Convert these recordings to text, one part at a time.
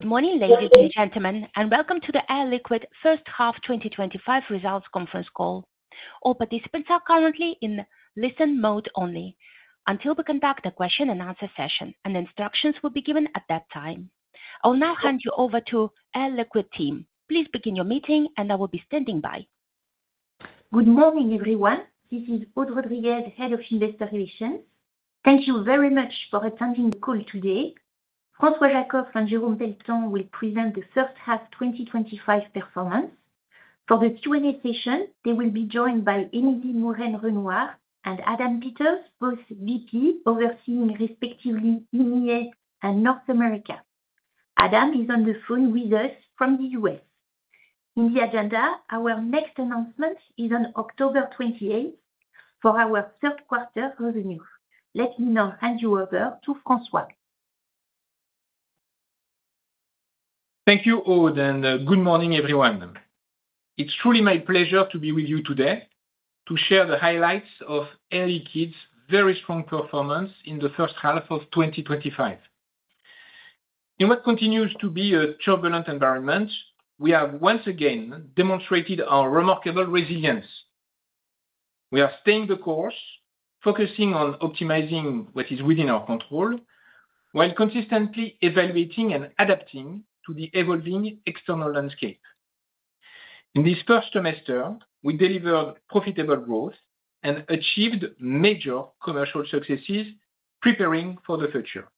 Good morning, ladies and gentlemen, and welcome to the Air Liquide first-half 2025 results conference call. All participants are currently in listen-mode only. Until we conduct a question-and-answer session, instructions will be given at that time. I will now hand you over to the Air Liquide team. Please begin your meeting, and I will be standing by. Good morning, everyone. This is Aude Rodriguez, Head of Investor Relations. Thank you very much for attending the call today. François Jackow and Jérôme Pelletan will present the first-half 2025 performance. For the Q&A session, they will be joined by Émilie Mouren-Renouard and Adam Peters, both VP overseeing respectively EMIA and North America. Adam is on the phone with us from the U.S. In the agenda, our next announcement is on October 28 for our third-quarter revenue. Let me now hand you over to François. Thank you, Aude, and good morning, everyone. It's truly my pleasure to be with you today to share the highlights of Air Liquide's very strong performance in the first half of 2025. In what continues to be a turbulent environment, we have once again demonstrated our remarkable resilience. We are staying the course, focusing on optimizing what is within our control, while consistently evaluating and adapting to the evolving external landscape. In this first semester, we delivered profitable growth and achieved major commercial successes, preparing for the future.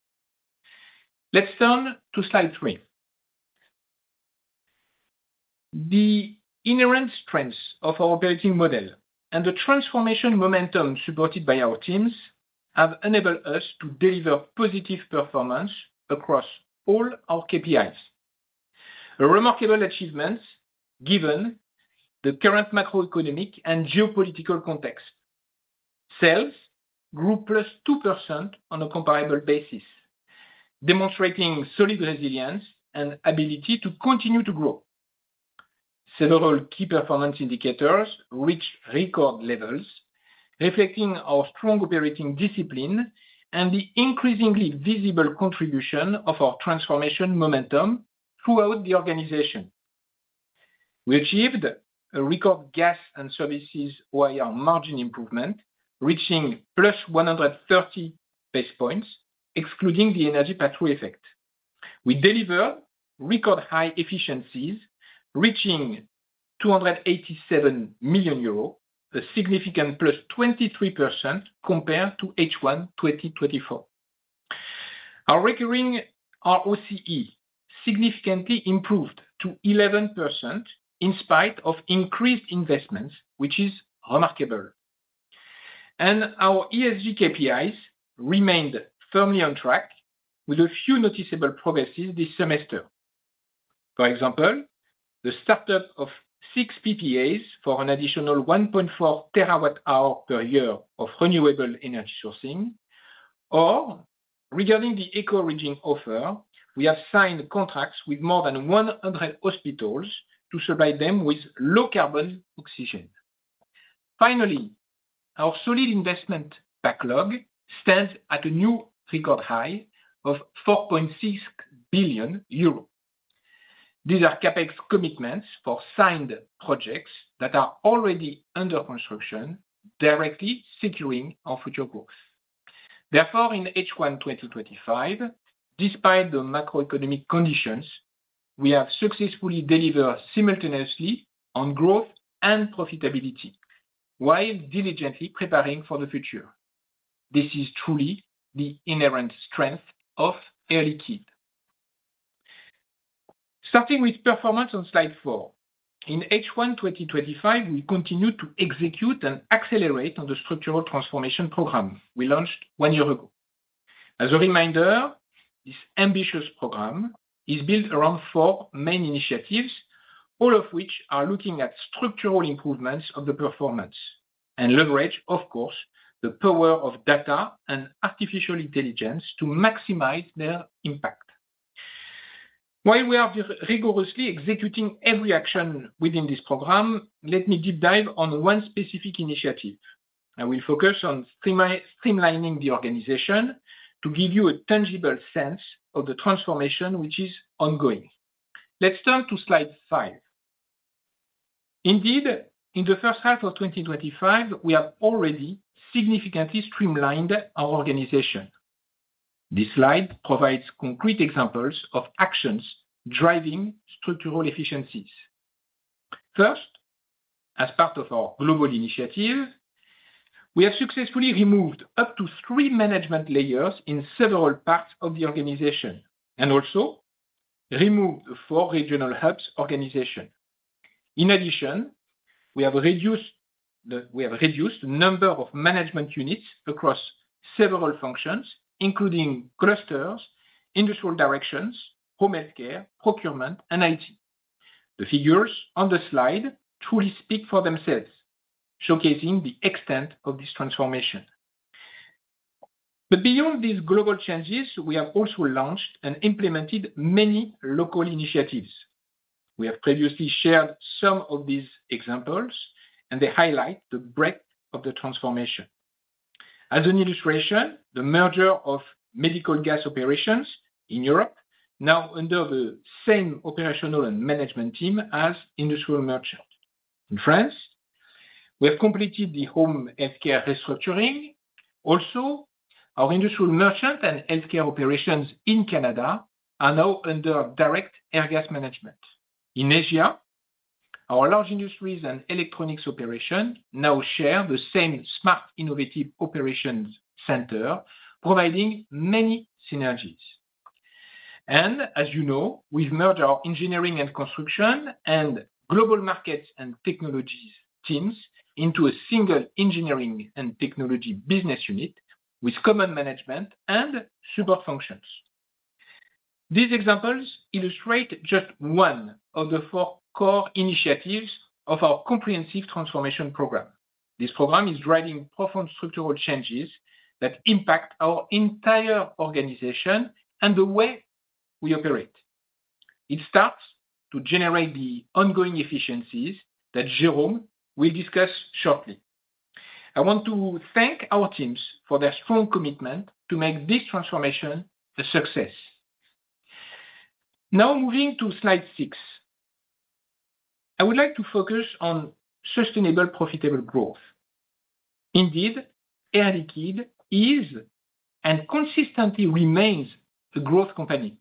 Let's turn to Slide 3. The inherent strengths of our operating model and the transformation momentum supported by our teams have enabled us to deliver positive performance across all our KPIs. Remarkable achievements given the current macroeconomic and geopolitical context. Sales grew +2% on a comparable basis. Demonstrating solid resilience and ability to continue to grow. Several key performance indicators reached record levels, reflecting our strong operating discipline and the increasingly visible contribution of our transformation momentum throughout the organization. We achieved a record Gas and Services OIR margin improvement, reaching +130 basis points, excluding the energy pass-through effect. We delivered record high efficiencies, reaching 287 million euros, a significant +23% compared to H1 2024. Our recurring ROCE significantly improved to 11% in spite of increased investments, which is remarkable. And our ESG KPIs remained firmly on track, with a few noticeable progresses this semester. For example, the start-up of six PPAs for an additional 1.4 terawatt-hour per year of renewable energy sourcing. Or regarding the Eco-Origin offer, we have signed contracts with more than 100 hospitals to supply them with low-carbon oxygen. Finally, our solid investment backlog stands at a new record high of 4.6 billion euros. These are CapEx commitments for signed projects that are already under construction, directly securing our future growth. Therefore, in H1 2025, despite the macroeconomic conditions, we have successfully delivered simultaneously on growth and profitability, while diligently preparing for the future. This is truly the inherent strength of Air Liquide. Starting with performance on Slide 4, in H1 2025, we continue to execute and accelerate on the structural transformation program we launched one year ago. As a reminder, this ambitious program is built around four main initiatives, all of which are looking at structural improvements of the performance and leverage, of course, the power of data and artificial intelligence to maximize their impact. While we are rigorously executing every action within this program, let me deep dive on one specific initiative. I will focus on streamlining the organization to give you a tangible sense of the transformation which is ongoing. Let's turn to Slide 5. Indeed, in the first half of 2025, we have already significantly streamlined our organization. This slide provides concrete examples of actions driving structural efficiencies. First, as part of our global initiative, we have successfully removed up to three management layers in several parts of the organization and also removed four regional hubs organization. In addition, we have reduced the number of management units across several functions, including clusters, industrial directions, Home Healthcare, Procurement, and IT. The figures on the slide truly speak for themselves, showcasing the extent of this transformation. Beyond these global changes, we have also launched and implemented many local initiatives. We have previously shared some of these examples, and they highlight the breadth of the transformation. As an illustration, the merger of medical gas operations in Europe, now under the same operational and management team as industrial merchant in France. We have completed the Home Healthcare restructuring. Also, our industrial Merchant and Healthcare operations in Canada are now under direct Airgas management. In Asia, our Large Industries and Electronics operations now share the same smart innovative operations center, providing many synergies. As you know, we've merged our Engineering and Construction and Global Markets and Technologies teams into a single Engineering and Technology business unit with common management and support functions. These examples illustrate just one of the four core initiatives of our comprehensive transformation program. This program is driving profound structural changes that impact our entire organization and the way we operate. It starts to generate the ongoing efficiencies that Jérôme will discuss shortly. I want to thank our teams for their strong commitment to make this transformation a success. Now moving to Slide 6. I would like to focus on sustainable profitable growth. Indeed, Air Liquide is consistently remains a growth company.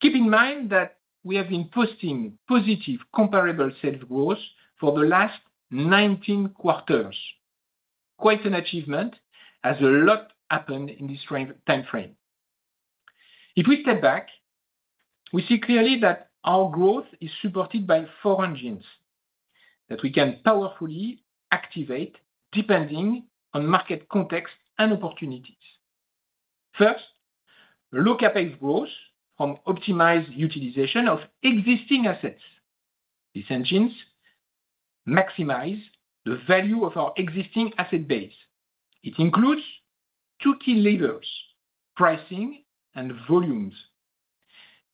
Keep in mind that we have been posting positive comparable sales growth for the last 19 quarters. Quite an achievement as a lot happened in this time frame. If we step back, we see clearly that our growth is supported by four engines that we can powerfully activate depending on market context and opportunities. First, low-CapEx growth from optimized utilization of existing assets. These engines maximize the value of our existing asset base. It includes two key levers: pricing and volumes.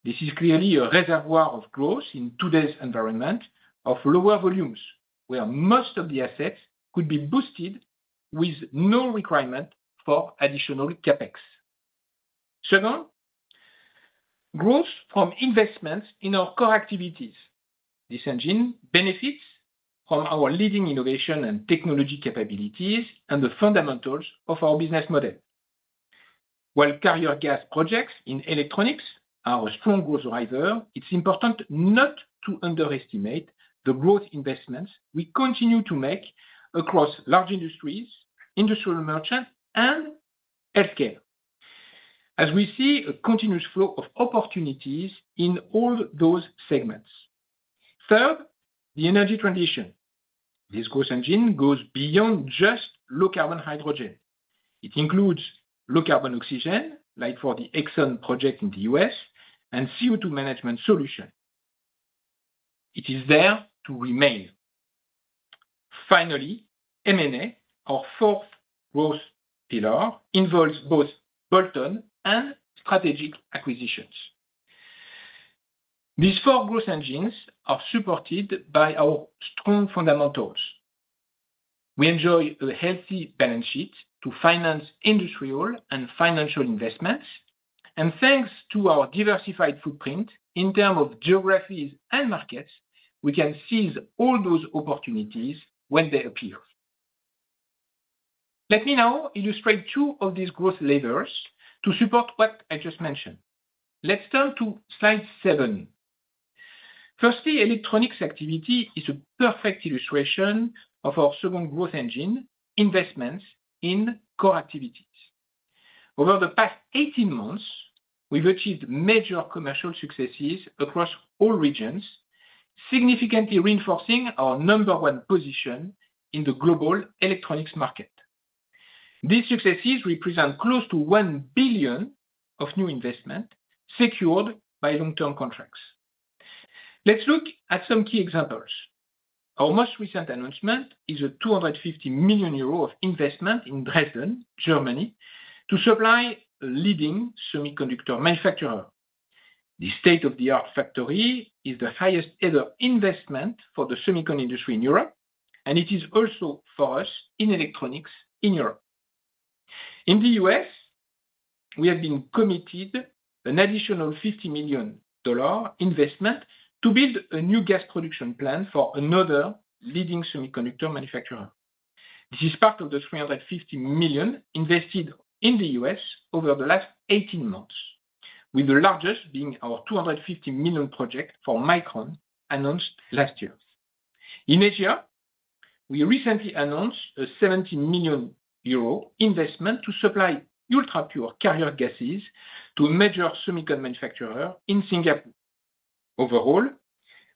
This is clearly a reservoir of growth in today's environment of lower volumes, where most of the assets could be boosted with no requirement for additional CapEx. Second, growth from investments in our core activities. This engine benefits from our leading innovation and technology capabilities and the fundamentals of our business model. While carrier gas projects in electronics are a strong growth driver, it's important not to underestimate the growth investments we continue to make across Large Industries, Industrial Merchants, and Healthcare, as we see a continuous flow of opportunities in all those segments. Third, the Energy Transition. This growth engine goes beyond just low-carbon hydrogen. It includes low-carbon oxygen, like for the Exxon project in the U.S., and CO2 management solution. It is there to remain. Finally, M&A, our fourth growth pillar, involves both bolt-on and strategic acquisitions. These four growth engines are supported by our strong fundamentals. We enjoy a healthy balance sheet to finance industrial and financial investments. Thanks to our diversified footprint in terms of geographies and markets, we can seize all those opportunities when they appear. Let me now illustrate two of these growth levers to support what I just mentioned. Let's turn to Slide 7. Firstly, Electronics activity is a perfect illustration of our second growth engine: investments in core activities. Over the past 18 months, we've achieved major commercial successes across all regions, significantly reinforcing our number-one position in the global electronics market. These successes represent close to 1 billion of new investment secured by long-term contracts. Let's look at some key examples. Our most recent announcement is a 250 million euro investment in Dresden, Germany, to supply a leading semiconductor manufacturer. The state-of-the-art factory is the highest-ever investment for the semiconductor industry in Europe, and it is also for us in Electronics in Europe. In the U.S., we have been committed an additional $50 million investment to build a new gas production plant for another leading semiconductor manufacturer. This is part of the $350 million invested in the U.S. over the last 18 months, with the largest being our $250 million project for Micron announced last year. In Asia, we recently announced a 70 million euro investment to supply ultra-pure carrier gases to a major semiconductor manufacturer in Singapore. Overall,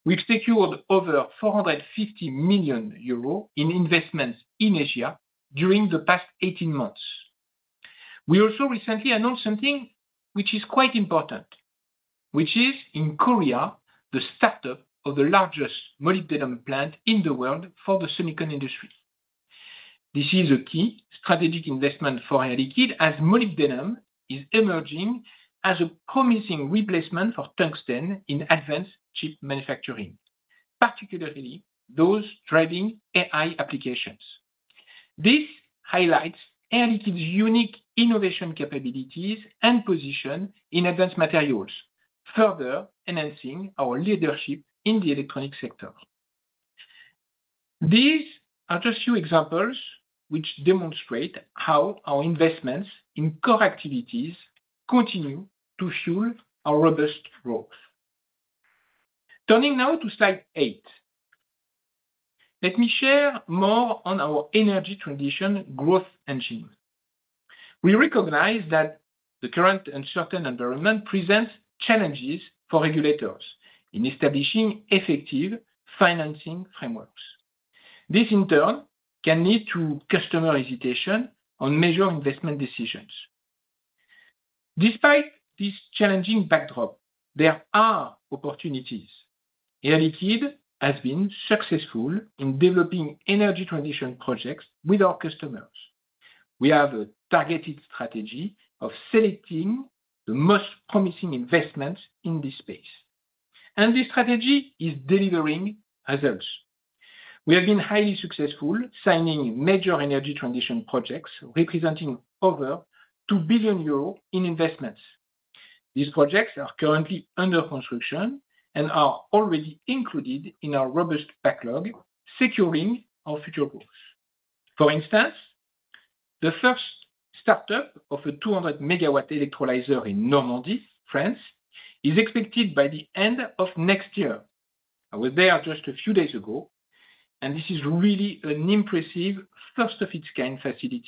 we've secured over 450 million euros in investments in Asia during the past 18 months. We also recently announced something which is quite important, which is in Korea, the startup of the largest molybdenum plant in the world for the semiconductor industry. This is a key strategic investment for Air Liquide, as molybdenum is emerging as a promising replacement for tungsten in advanced chip manufacturing, particularly those driving AI applications. This highlights Air Liquide's unique innovation capabilities and position in advanced materials, further enhancing our leadership in the Electronics sector. These are just a few examples which demonstrate how our investments in core activities continue to fuel our robust growth. Turning now to Slide 8. Let me share more on our energy transition growth engine. We recognize that the current uncertain environment presents challenges for regulators in establishing effective financing frameworks. This, in turn, can lead to customer hesitation on major investment decisions. Despite this challenging backdrop, there are opportunities. Air Liquide has been successful in developing Energy Transition projects with our customers. We have a targeted strategy of selecting the most promising investments in this space. And this strategy is delivering results. We have been highly successful signing major Energy Transition projects representing over 2 billion euros in investments. These projects are currently under construction and are already included in our robust backlog, securing our future growth. For instance, the first startup of a 200-megawatt electrolyzer in Normandy, France, is expected by the end of next year. I was there just a few days ago, and this is really an impressive first-of-its-kind facility.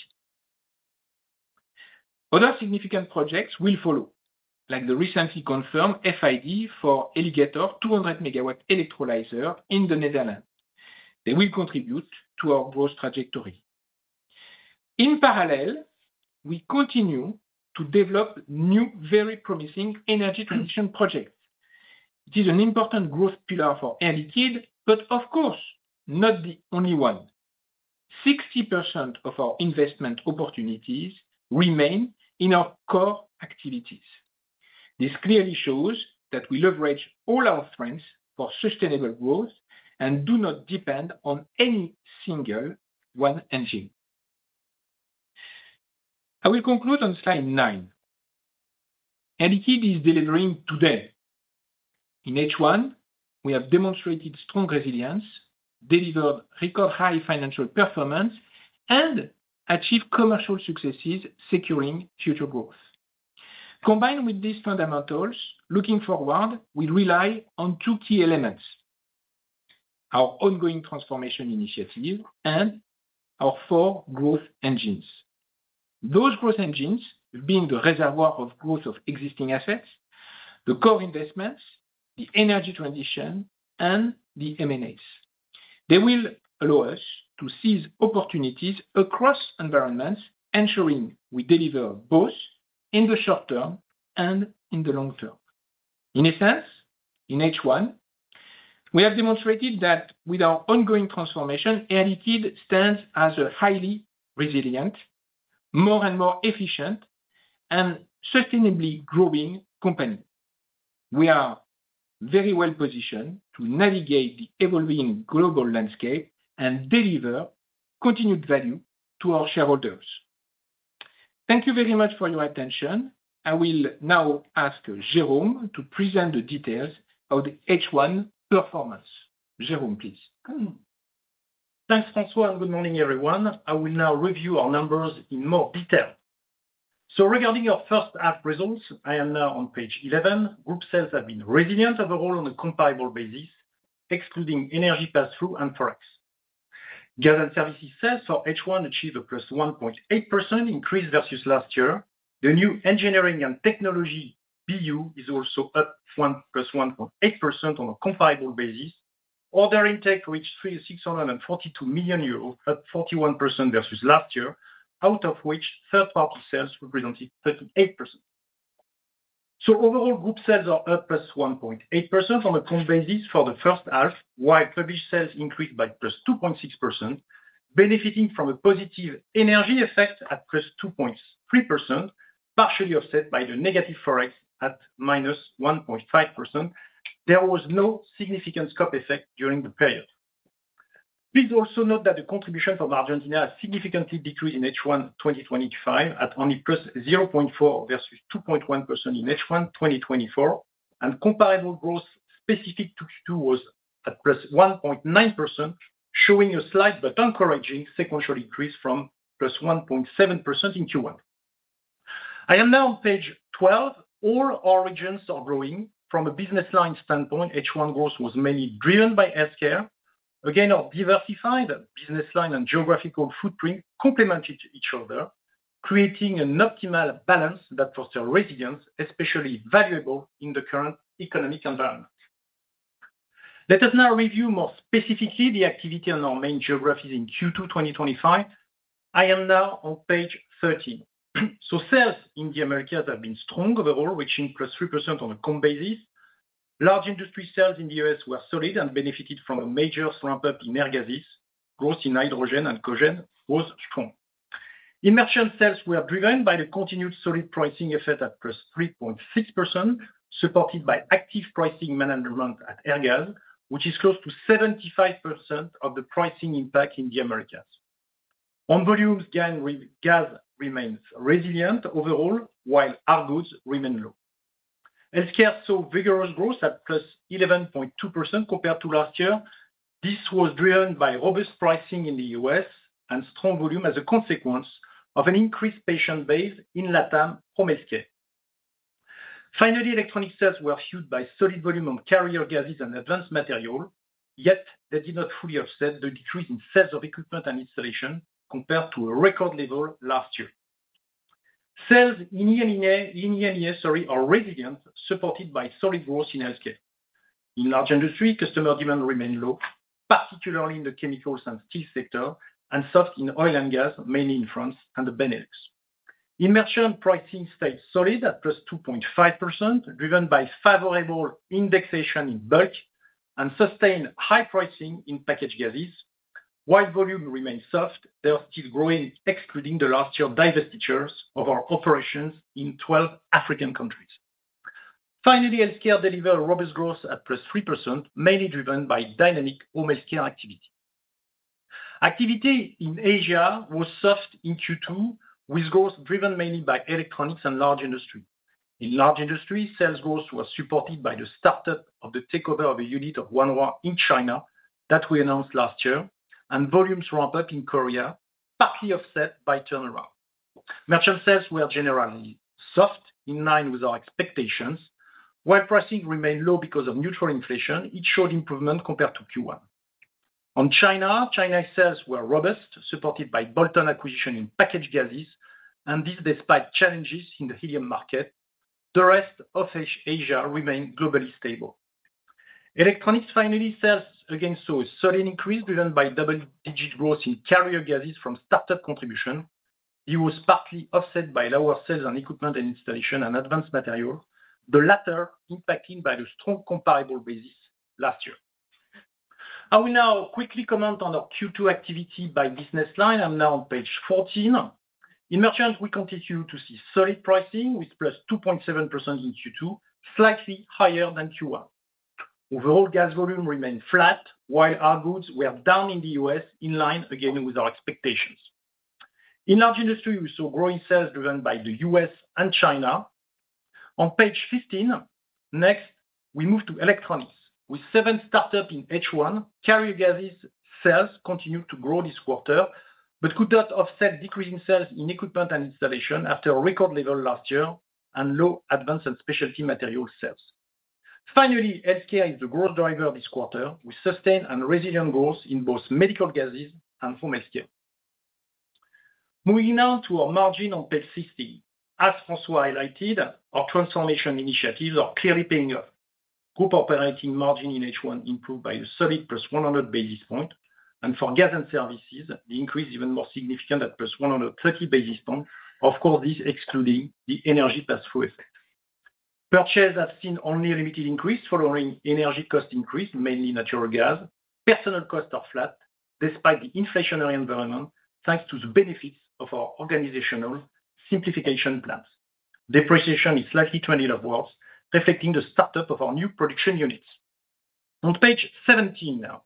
Other significant projects will follow, like the recently confirmed FID for Alligator 200-megawatt electrolyzer in the Netherlands. They will contribute to our growth trajectory. In parallel, we continue to develop new, very promising Energy Transition projects. It is an important growth pillar for Air Liquide, but of course, not the only one. 60% of our investment opportunities remain in our core activities. This clearly shows that we leverage all our strengths for sustainable growth and do not depend on any single one engine. I will conclude on Slide 9. Air Liquide is delivering today. In H1, we have demonstrated strong resilience, delivered record-high financial performance, and achieved commercial successes securing future growth. Combined with these fundamentals, looking forward, we rely on two key elements. Our ongoing transformation initiatives and our four growth engines. Those growth engines have been the reservoir of growth of existing assets, the core investments, the Energy Transition, and the M&As. They will allow us to seize opportunities across environments, ensuring we deliver both in the short term and in the long term. In essence, in H1, we have demonstrated that with our ongoing transformation, Air Liquide stands as a highly resilient, more and more efficient, and sustainably growing company. We are very well positioned to navigate the evolving global landscape and deliver continued value to our shareholders. Thank you very much for your attention. I will now ask Jérôme to present the details of the H1 performance. Jérôme, please. Thanks, François. Good morning, everyone. I will now review our numbers in more detail. So regarding our first-half results, I am now on Page 11. Group sales have been resilient overall on a comparable basis, excluding energy pass-through and forex. Gas and Services sales for H1 achieved a +1.8% increase versus last year. The new engineering and technology BU is also up +1.8% on a comparable basis. Order intake reached 642 million euros, up 41% versus last year, out of which third-party sales represented 38%. So overall, group sales are up +1.8% on a common basis for the first half, while published sales increased by +2.6%, benefiting from a positive energy effect at +2.3%, partially offset by the negative forex at -1.5%. There was no significant scope effect during the period. Please also note that the contribution from Argentina has significantly decreased in H1 2025 at only +0.4% versus 2.1% in H1 2024. Comparable growth specific to Q2 was at +1.9%, showing a slight but encouraging sequential increase from +1.7% in Q1. I am now on Page 12. All our regions are growing. From a business line standpoint, H1 growth was mainly driven by Healthcare. Again, our diversified business line and geographical footprint complemented each other, creating an optimal balance that fostered resilience, especially valuable in the current economic environment. Let us now review more specifically the activity on our main geographies in Q2 2025. I am now on Page 13. Sales in the Americas have been strong overall, reaching +3% on a common basis. Large industry sales in the U.S. were solid and benefited from a major ramp-up in Air Gases. Growth in hydrogen and cogen was strong. In Merchant sales, we are driven by the continued solid pricing effect at +3.6%, supported by active pricing management at Airgas, which is close to 75% of the pricing impact in the Americas. On volumes, gas remains resilient overall, while our goods remain low. Healthcare saw vigorous growth at +11.2% compared to last year. This was driven by robust pricing in the U.S. and strong volume as a consequence of an increased patient base in LATAM from Healthcare. Finally, Electronics sales were fueled by solid volume on carrier gases and advanced materials, yet they did not fully offset the decrease in sales of equipment and installation compared to a record level last year. Sales in EMEA are resilient, supported by solid growth in Healthcare. In laLge Industry, customer demand remained low, particularly in the Chemicals and Steel sector, and soft in Oil and Mas, mainly in France and the Benelux. In merchant, pricing stayed solid at +2.5%, driven by favorable indexation in Bulk and sustained high pricing in Packaged Gases. While volume remained soft, they are still growing, excluding the last year's divestitures of our operations in 12 African countries. Finally, Healthcare delivered robust growth at +3%, mainly driven by dynamic Home Healthcare activity. Activity in Asia was soft in Q2, with growth driven mainly by Electronics and Large Industry. In Large Industry, sales growth was supported by the startup of the takeover of a unit of Oneworld in China that we announced last year, and volumes ramped up in Korea, partly offset by turnaround. Merchant sales were generally soft, in line with our expectations. While pricing remained low because of neutral inflation, it showed improvement compared to Q1. On China, China's sales were robust, supported by the bolt-on acquisition in Packaged Gases, and this despite challenges in the Helium market. The rest of Asia remained globally stable. Electronics finally sales again saw a solid increase driven by double-digit growth in carrier gases from startup contribution. It was partly offset by lower sales on equipment and installation and advanced materials, the latter impacted by the strong comparable basis last year. I will now quickly comment on our Q2 activity by business line. I'm now on Page 14. In Merchant, we continue to see solid pricing with +2.7% in Q2, slightly higher than Q1. Overall, Gas volume remained flat, while our goods were down in the U.S., in line again with our expectations. In Large Industry, we saw growing sales driven by the U.S. and China. On Page 15, next, we move to Electronics. With seven startups in H1, carrier gases sales continued to grow this quarter but could not offset decreasing sales in equipment and installation after a record level last year and low advanced and specialty materials sales. Finally, Healthcare is the growth driver this quarter, with sustained and resilient growth in both medical gases and Home Healthcare. Moving now to our margin on Page 16. As François highlighted, our transformation initiatives are clearly paying off. Group operating margin in H1 improved by a solid plus 100 basis points, and for Gas and Services, the increase is even more significant at plus 130 basis points, of course this excluding the energy pass-through effect. Purchases have seen only a limited increase following energy cost increase, mainly natural gas. Personnel costs are flat despite the inflationary environment, thanks to the benefits of our organizational simplification plans. Depreciation is slightly trending upwards, reflecting the startup of our new production units. On Page 17 now,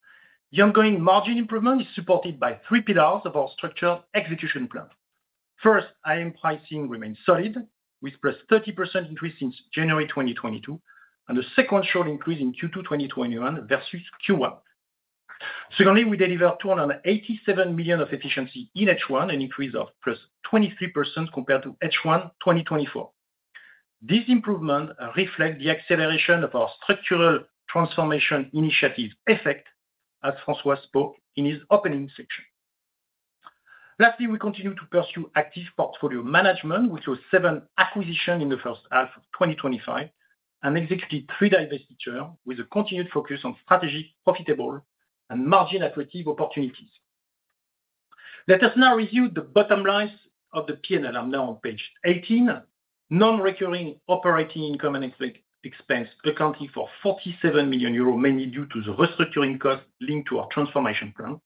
the ongoing margin improvement is supported by three pillars of our structured execution plan. First, IM pricing remains solid, with +30% increase since January 2022, and a sequential increase in Q2 2021 versus Q1. Secondly, we delivered 287 million of efficiency in H1, an increase of +23% compared to H1 2024. This improvement reflects the acceleration of our structural transformation initiatives effect, as François spoke in his opening section. Lastly, we continue to pursue active portfolio management, which was seven acquisitions in the first half of 2025, and executed three divestitures with a continued focus on strategic, profitable, and margin-attractive opportunities. Let us now review the bottom lines of the P&L. I'm now on Page 18. Non-recurring operating income and expense accounting for 47 million euros, mainly due to the restructuring costs linked to our transformation plan.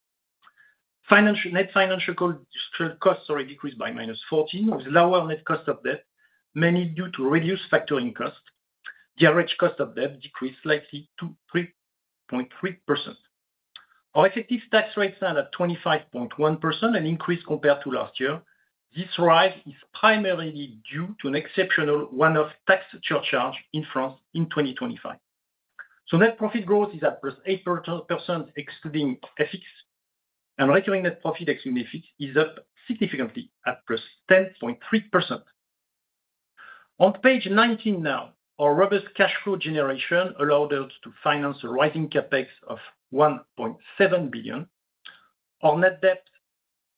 Net financial costs decreased by -14, with lower net cost of debt, mainly due to reduced factoring costs. The average cost of debt decreased slightly to 3.3%. Our effective tax rates are at 25.1%, an increase compared to last year. This rise is primarily due to an exceptional one-off tax surcharge in France in 2025. Net profit growth is at +8%, excluding FX, and recurring net profit, excluding FX, is up significantly at +10.3%. On Page 19 now, our robust cash flow generation allowed us to finance a rising CapEx of 1.7 billion. Our net debt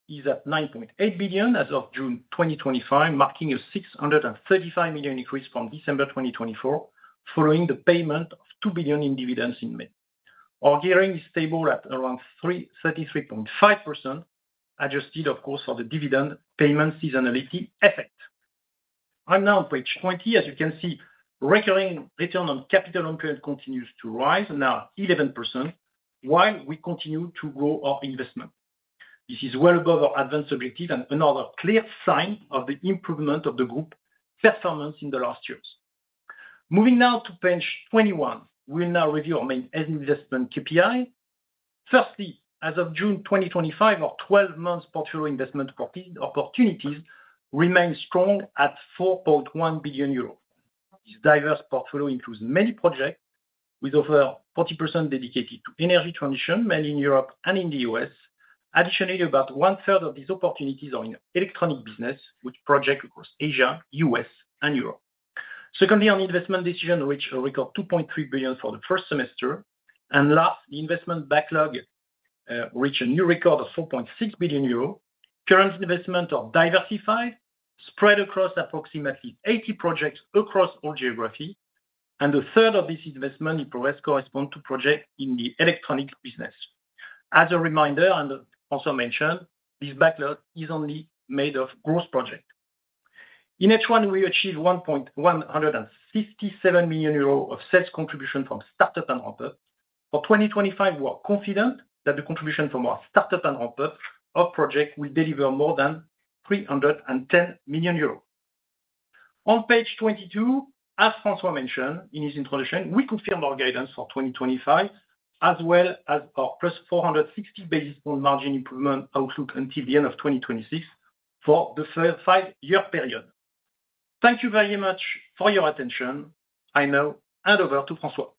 is at 9.8 billion as of June 2025, marking a 635 million increase from December 2024, following the payment of 2 billion in dividends in May. Our gearing is stable at around 33.5%, adjusted, of course, for the dividend payment seasonality effect. I'm now on Page 20. As you can see, recurring return on capital on period continues to rise, now at 11%, while we continue to grow our investment. This is well above our advanced objective and another clear sign of the improvement of the group performance in the last years. Moving now to Page 21, we will now review our main investment KPI. Firstly, as of June 2025, our 12-month portfolio investment opportunities remain strong at 4.1 billion euros. This diverse portfolio includes many projects, with over 40% dedicated to energy transition, mainly in Europe and in the U.S. Additionally, about one-third of these opportunities are in electronic business, with projects across Asia, the U.S., and Europe. Secondly, our investment decision reached a record 2.3 billion for the first semester. Last, the investment backlog reached a new record of 4.6 billion euros. Current investments are diversified, spread across approximately 80 projects across all geographies, and a third of these investments in progress correspond to projects in the Electronics business. As a reminder and also mentioned, this backlog is only made of gross projects. In H1, we achieved 1.157 million euros of sales contribution from startup and ramp-up. For 2025, we are confident that the contribution from our startup and ramp-up projects will deliver more than 310 million euros. On Page 22, as François mentioned in his introduction, we confirmed our guidance for 2025, as well as our +460 basis point margin improvement outlook until the end of 2026 for the five-year period. Thank you very much for your attention. I now hand over to François.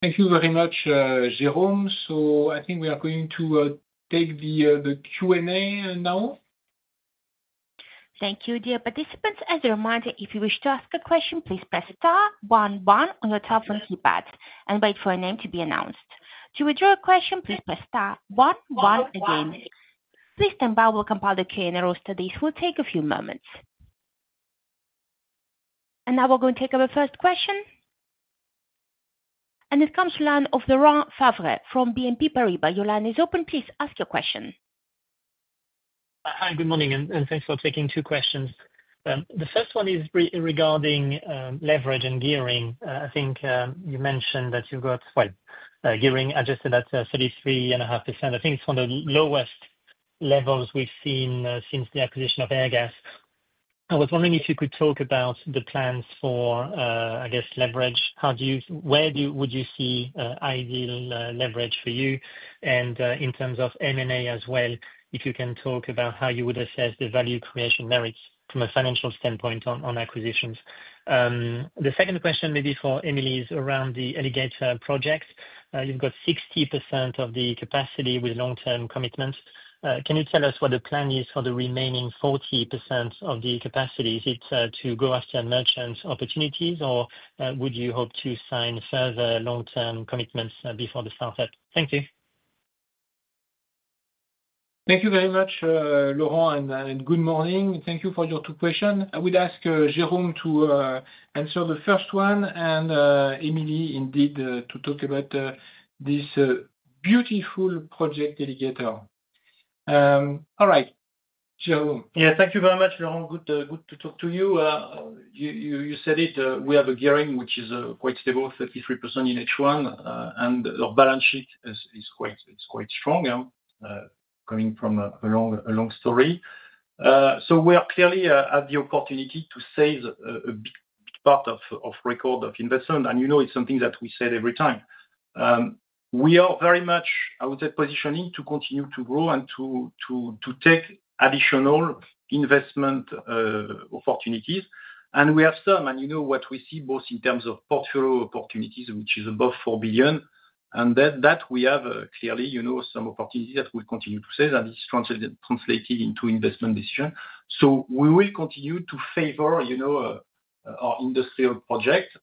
Thank you very much, Jérôme. I think we are going to take the Q&A now. Thank you. Dear participants, as a reminder, if you wish to ask a question, please press star one, one on your telephone keypad and wait for a name to be announced. To withdraw a question, please press star one, one again. Please stand by while we compile the Q&A roll. This will take a few moments. Now we are going to take our first question. It comes to the line of Laurent Favre from BNP Paribas. Your line is open. Please ask your question. Hi, good morning, and thanks for taking two questions. The first one is regarding leverage and gearing. I think you mentioned that you have, well, gearing adjusted at 33.5%. I think it is one of the lowest levels we have seen since the acquisition of Airgas. I was wondering if you could talk about the plans for, I guess, leverage. How do you, where would you see ideal leverage for you? In terms of M&A as well, if you can talk about how you would assess the value-creation merits from a financial standpoint on acquisitions. The second question maybe for Émilie is around the Alligator project. You have 60% of the capacity with long-term commitments. Can you tell us what the plan is for the remaining 40% of the capacity? Is it to go after merchant opportunities, or would you hope to sign further long-term commitments before the start-up? Thank you. Thank you very much, Laurent, and good morning. Thank you for your two questions. I would ask Jérôme to answer the first one and Émilie indeed to talk about this beautiful project, Alligator. All right, Jérôme. Yeah, thank you very much, Laurent. Good to talk to you. You said it. We have a gearing, which is quite stable, 33% in H1, and our balance sheet is quite strong. Coming from a long story. We are clearly at the opportunity to save a big part of record of investment. You know it is something that we said every time. We are very much, I would say, positioning to continue to grow and to take additional investment opportunities. And we have some, and you know what we see, both in terms of portfolio opportunities, which is above 4 billion. And that we have clearly some opportunities that we'll continue to save, and this is translated into investment decision. We will continue to favor our industrial project.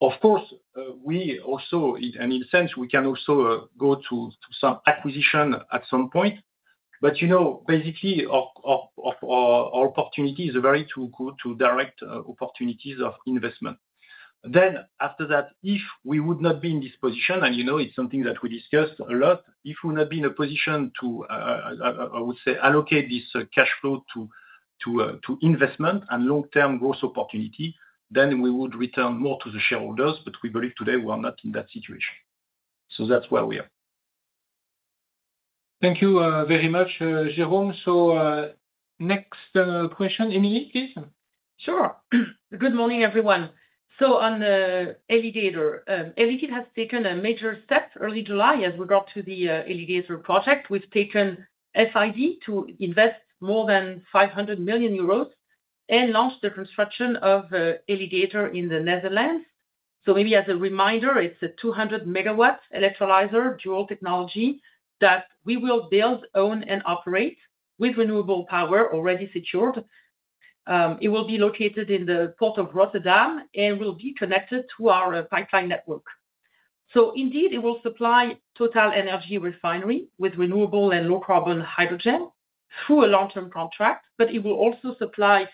Of course, we also, and in a sense, we can also go to some acquisition at some point. But basically, our opportunity is very good to direct opportunities of investment. After that, if we would not be in this position, and it's something that we discussed a lot, if we would not be in a position to, I would say, allocate this cash flow to investment and long-term growth opportunity, then we would return more to the shareholders. We believe today we are not in that situation. That's where we are. Thank you very much, Jérôme. Next question, Émilie, please. Sure. Good morning, everyone. On Alligator, Alligator has taken a major step early July as we got to the Alligator project. We've taken Final Investment Decision to invest more than 500 million euros and launch the construction of Alligator in the Netherlands. Maybe as a reminder, it's a 200 megawatt electrolyzer, dual-technology that we will build, own, and operate with renewable power already secured. It will be located in the Port of Rotterdam and will be connected to our pipeline network. Indeed, it will supply TotalEnergies Refinery with renewable and low-carbon hydrogen through a long-term contract, but it will also supply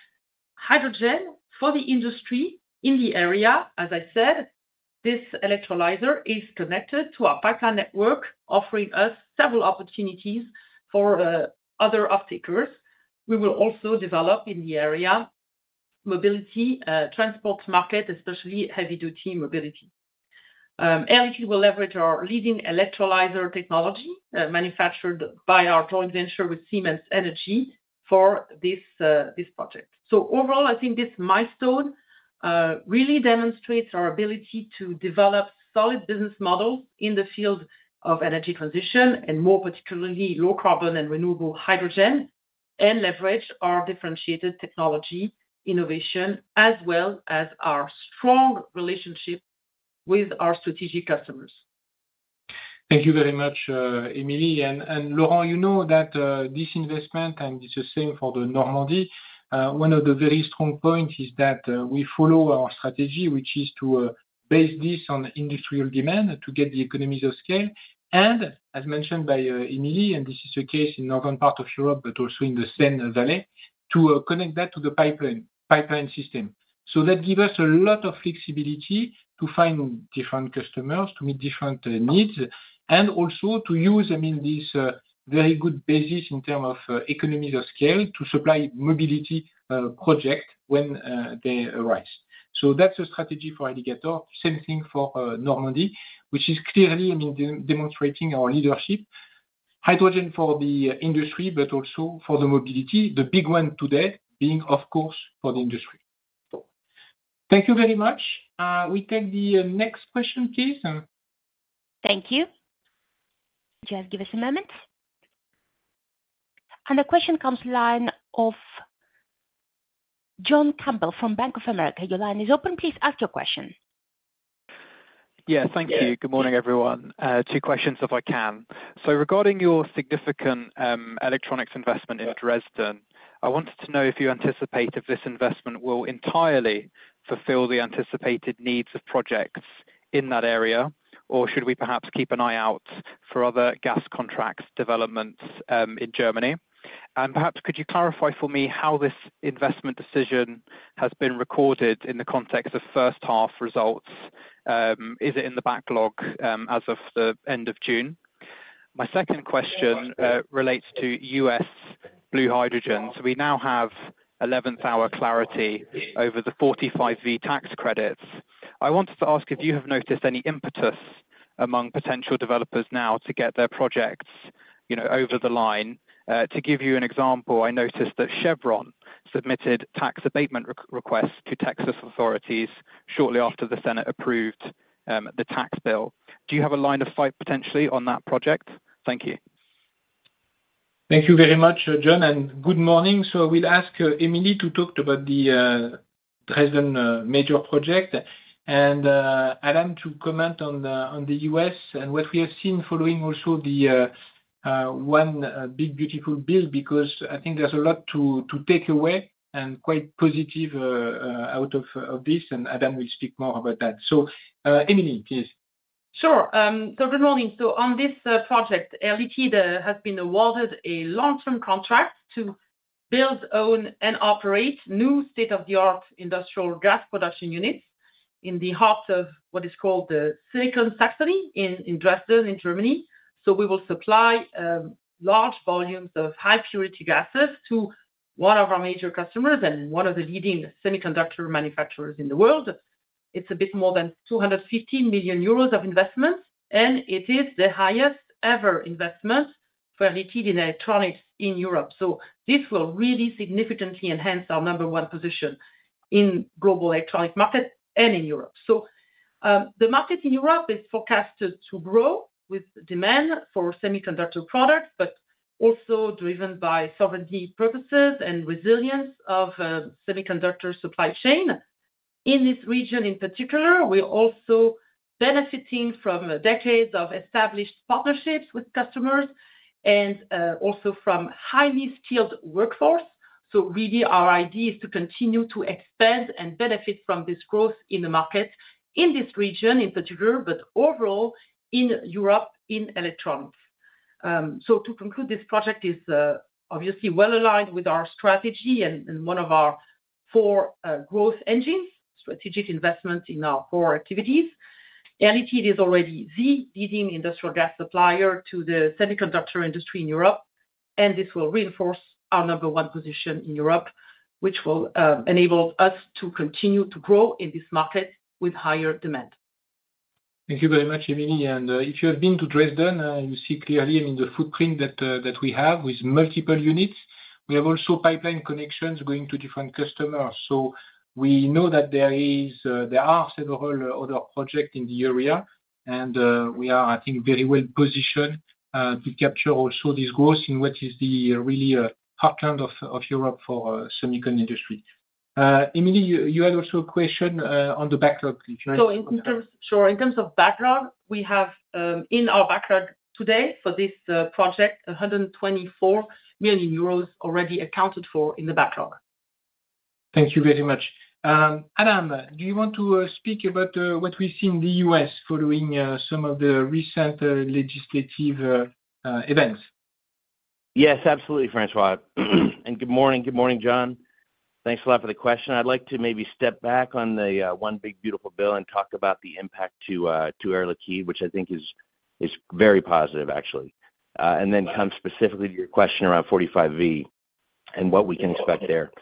hydrogen for the industry in the area. As I said, this electrolyzer is connected to our pipeline network, offering us several opportunities for other off-takers. We will also develop in the area mobility, transport market, especially heavy-duty mobility. Alligator will leverage our leading electrolyzer technology manufactured by our joint venture with Siemens Energy for this project. Overall, I think this milestone really demonstrates our ability to develop solid business models in the field of energy transition, and more particularly low-carbon and renewable hydrogen, and leverage our differentiated technology innovation, as well as our strong relationship with our strategic customers. Thank you very much, Émilie. Laurent, you know that this investment, and it is the same for the Normandy, one of the very strong points is that we follow our strategy, which is to base this on industrial demand to get the economies of scale. As mentioned by Émilie, and this is the case in the northern part of Europe, but also in the Seine Valley, to connect that to the pipeline system. That gives us a lot of flexibility to find different customers, to meet different needs, and also to use, I mean, this very good basis in terms of economies of scale to supply mobility projects when they arise. That is a strategy for Alligator. Same thing for Normandy, which is clearly, I mean, demonstrating our leadership. Hydrogen for the industry, but also for the mobility, the big one today being, of course, for the industry. Thank you very much. We take the next question, please. Thank you. Just give us a moment. The question comes from the line of John Campbell from Bank of America. Your line is open. Please ask your question. Yeah, thank you. Good morning, everyone. Two questions, if I can. Regarding your significant Electronics investment in Dresden, I wanted to know if you anticipate if this investment will entirely fulfill the anticipated needs of projects in that area, or should we perhaps keep an eye out for other gas contracts developments in Germany? Perhaps could you clarify for me how this investment decision has been recorded in the context of first-half results? Is it in the backlog as of the end of June? My second question relates to U.S. blue hydrogen. We now have eleventh-hour clarity over the 45V tax credits. I wanted to ask if you have noticed any impetus among potential developers now to get their projects over the line. To give you an example, I noticed that Chevron submitted tax abatement requests to Texas authorities shortly after the Senate approved the tax bill. Do you have a line of sight potentially on that project? Thank you. Thank you very much, John. Good morning. I will ask Émilie to talk about the Dresden major project and Adam to comment on the US and what we have seen following also the one big, beautiful build, because I think there is a lot to take away and quite positive out of this. Adam will speak more about that. Émilie, please. Sure. Good morning. On this project, Alligator has been awarded a long-term contract to build, own, and operate new state-of-the-art industrial gas production units in the heart of what is called the Silicon Saxony in Dresden, in Germany. We will supply large volumes of high-purity gases to one of our major customers and one of the leading semiconductor manufacturers in the world. It is a bit more than 250 million euros of investments, and it is the highest-ever investment for Air Liquide Electronics in Europe. This will really significantly enhance our number-one position in the global Electronics market and in Europe. The market in Europe is forecast to grow with demand for semiconductor products, but also driven by sovereignty purposes and resilience of the semiconductor supply chain in this region in particular. We are also benefiting from decades of established partnerships with customers and also from a highly-skilled workforce. Our idea is to continue to expand and benefit from this growth in the market in this region in particular, but overall in Europe in Electronics. To conclude, this project is obviously well aligned with our strategy and one of our four growth engines, strategic investments in our core activities. Air Liquide is already the leading industrial gas supplier to the semiconductor industry in Europe, and this will reinforce our number-one position in Europe, which will enable us to continue to grow in this market with higher demand. Thank you very much, Émilie. If you have been to Dresden, you see clearly, I mean, the footprint that we have with multiple units. We have also pipeline connections going to different customers. We know that there are several other projects in the area, and we are, I think, very well positioned to capture also this growth in what is really a heartland of Europe for semiconductor industry. Émilie, you had also a question on the backlog. In terms of backlog, we have in our backlog today for this project, 124 million euros already accounted for in the backlog. Thank you very much. Adam, do you want to speak about what we see in the U.S. following some of the recent legislative events? Yes, absolutely, François. Good morning. Good morning, John. Thanks a lot for the question. I would like to maybe step back on the one big, beautiful bill and talk about the impact to Air Liquide, which I think is very positive, actually, and then come specifically to your question around 45V and what we can expect there.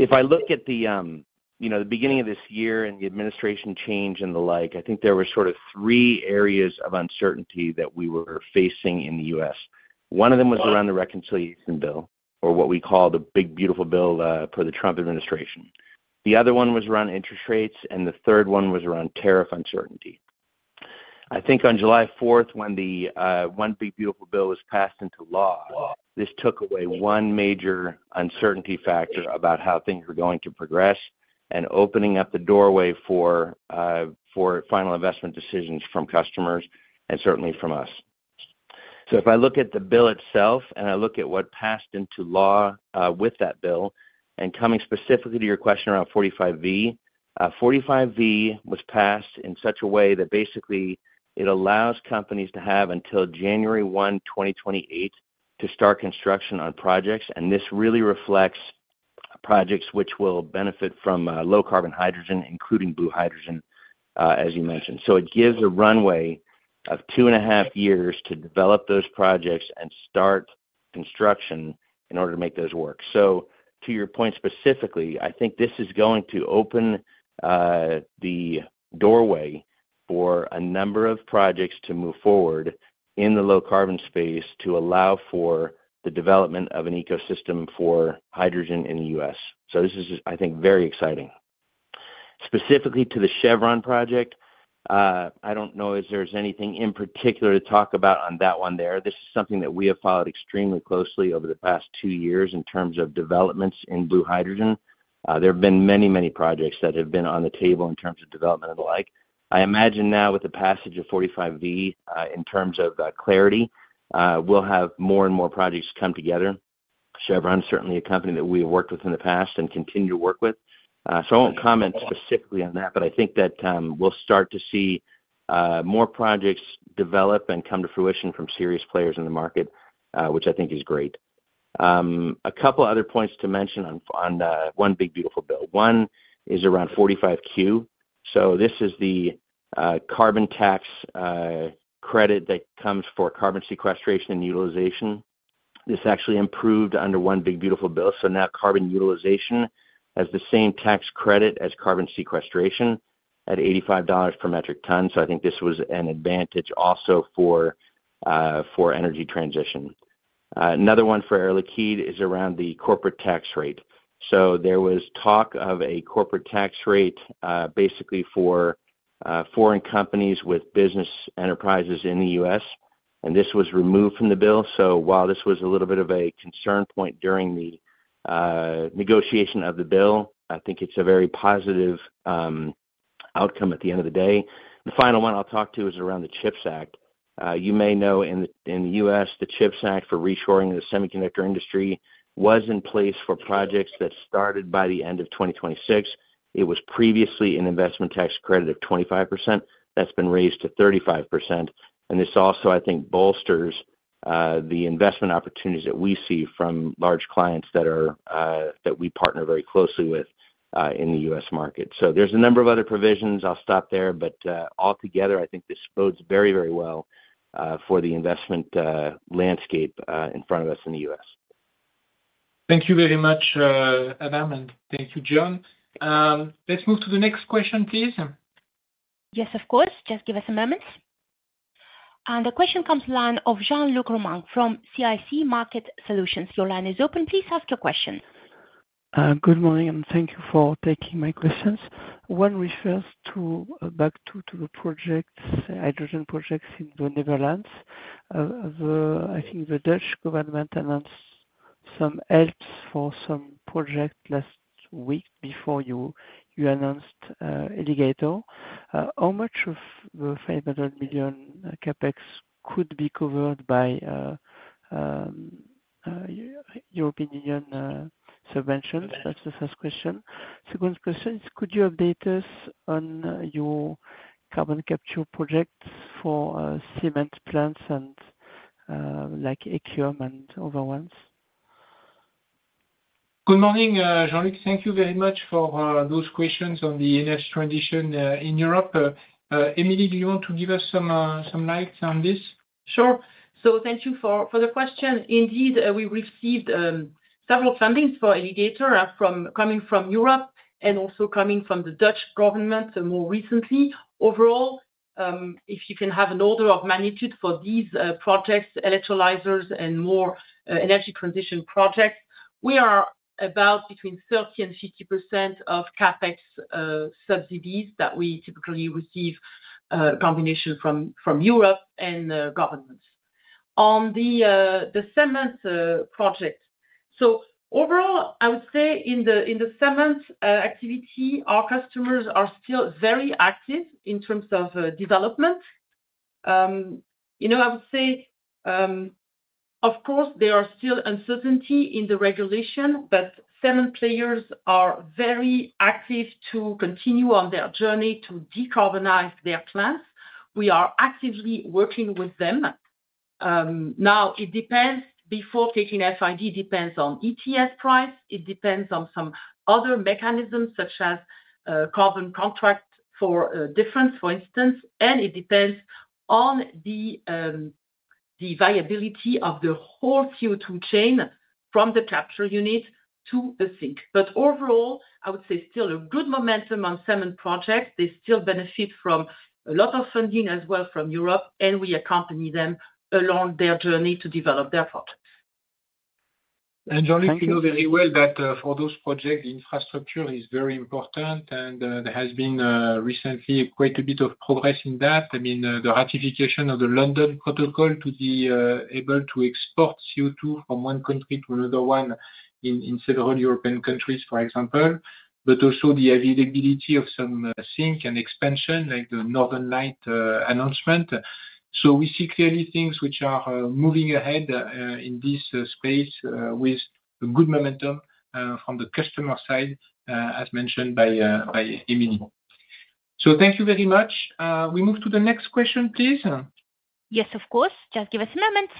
If I look at the beginning of this year and the administration change and the like, I think there were sort of three areas of uncertainty that we were facing in the U.S. One of them was around the reconciliation bill, or what we call the big, beautiful bill for the Trump Administration. The other one was around interest rates, and the third one was around tariff uncertainty. I think on July 4th, when the one big, beautiful bill was passed into law, this took away one major uncertainty factor about how things were going to progress and opening up the doorway for Final Investment Decisions from customers and certainly from us. If I look at the bill itself and I look at what passed into law with that bill, and coming specifically to your question around 45V, 45V was passed in such a way that basically it allows companies to have until January 1, 2028, to start construction on projects. This really reflects projects which will benefit from low-carbon hydrogen, including blue hydrogen, as you mentioned. It gives a runway of two and a half years to develop those projects and start construction in order to make those work. To your point specifically, I think this is going to open the doorway for a number of projects to move forward in the low-carbon space to allow for the development of an ecosystem for hydrogen in the U.S. This is, I think, very exciting. Specifically to the Chevron project, I do not know if there is anything in particular to talk about on that one there. This is something that we have followed extremely closely over the past two years in terms of developments in blue hydrogen. There have been many, many projects that have been on the table in terms of development and the like. I imagine now, with the passage of 45V, in terms of clarity, we will have more and more projects come together. Chevron is certainly a company that we have worked with in the past and continue to work with. I will not comment specifically on that, but I think that we will start to see more projects develop and come to fruition from serious players in the market, which I think is great. A couple of other points to mention on one big, beautiful bill. One is around 45Q. This is the carbon tax credit that comes for carbon sequestration and utilization. This actually improved under one big, beautiful bill. Now carbon utilization has the same tax credit as carbon sequestration at $85 per metric ton. I think this was an advantage also for. Energy Transition. Another one for Air Liquide is around the corporate tax rate. There was talk of a corporate tax rate basically for foreign companies with business enterprises in the U.S., and this was removed from the bill. While this was a little bit of a concern point during the negotiation of the bill, I think it is a very positive outcome at the end of the day. The final one I will talk to is around the CHIPS Act. You may know in the U.S. the CHIPS Act for reshoring the semiconductor industry was in place for projects that started by the end of 2026. It was previously an Investment Tax Credit of 25%. That has been raised to 35%. This also, I think, bolsters the investment opportunities that we see from large clients that we partner very closely with in the U.S. market. There are a number of other provisions. I will stop there. Altogether, I think this bodes very, very well for the investment landscape in front of us in the U.S. Thank you very much, Adam, and thank you, John. Let's move to the next question, please. Yes, of course. Just give us a moment. The question comes live from Jean-Luc Romain from CIC Market Solutions. Your line is open. Please ask your question. Good morning, and thank you for taking my questions. One refers back to the hydrogen projects in the Netherlands. I think the Dutch Government announced some helps for some projects last week before you announced Alligator. How much of the $500 million CapEx could be covered by European Union subventions? That is the first question. Second question is, could you update us on your carbon capture projects for cement plants and AQM and other ones? Good morning, Jean-Luc. Thank you very much for those questions on the energy transition in Europe. Émilie, do you want to give us some light on this? Sure. Thank you for the question. Indeed, we received several fundings for Alligator coming from Europe and also coming from the Dutch Government more recently. Overall, if you can have an order of magnitude for these projects, electrolyzers and more energy transition projects, we are about between 30%-50% of CapEx subsidies that we typically receive, combination from Europe and governments. On the cement project, overall, I would say in the cement activity, our customers are still very active in terms of development. I would say. Of course, there are still uncertainties in the regulation, but cement players are very active to continue on their journey to decarbonize their plants. We are actively working with them. Now, it depends. Before taking FID, it depends on ETS price. It depends on some other mechanisms such as carbon contract for difference, for instance. And it depends on the viability of the whole CO2 chain from the capture unit to the sink. Overall, I would say still a good momentum on cement projects. They still benefit from a lot of funding as well from Europe, and we accompany them along their journey to develop their projects. Jean-Luc, you know very well that for those projects, the infrastructure is very important, and there has been recently quite a bit of progress in that. I mean, the ratification of the London Protocol to be able to export CO2 from one country to another one in several European countries, for example, but also the availability of some sink and expansion like the Northern Lights announcement. We see clearly things which are moving ahead in this space with good momentum from the customer side, as mentioned by Émilie. Thank you very much. We move to the next question, please. Yes, of course. Just give us a moment.